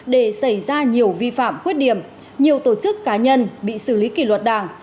để xảy ra nhiều vi phạm khuyết điểm nhiều tổ chức cá nhân bị xử lý kỷ luật đảng